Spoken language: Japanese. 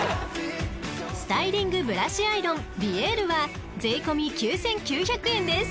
［スタイリングブラシアイロンヴィエールは税込み９，９００円です］